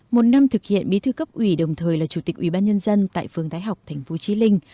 một năm thực hiện bí thư cấp ủy đồng thời là chủ tịch ubnd tại phương đại học tp chí linh